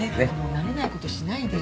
慣れないことしないでよ。